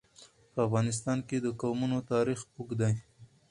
په افغانستان کې د قومونه تاریخ اوږد دی.